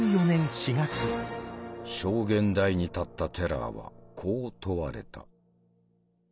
証言台に立ったテラーはこう問われた。